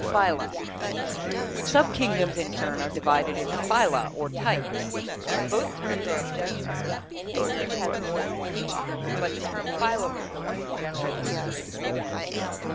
Phyla. — Subkingdoms in turn are divided into phyla or types. Both terms are objectionable, as each has more than one meaning, but the term phylum (Gr. <f>v\ov, race, tribe) is the one in general use in this sense.